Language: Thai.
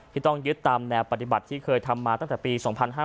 ที่ต้องยึดตามแนวปฏิบัติที่เคยทำมาตั้งแต่ปี๒๕๕๙